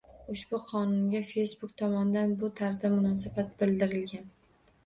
Ushbu qonunga Facebook tomonidan bu tarzda munosabat bildirilgan.